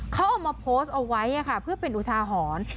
เขาเอามาโพสต์เอาไว้อ่ะค่ะเพื่อเป็นอุทาหอน